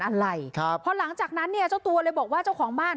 อะไรครับพอหลังจากนั้นเนี่ยเจ้าตัวเลยบอกว่าเจ้าของบ้าน